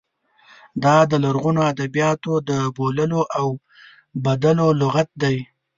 دا د لرغونو ادبیاتو د بوللو او بدلو لغت دی.